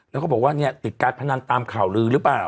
แล้วก็บอกว่าเนี่ยติดการพนันตามข่าวลือหรือเปล่า